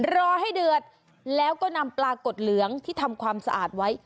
รอให้เดือดแล้วก็นำปลากดเหลืองที่ทำความสะอาดไว้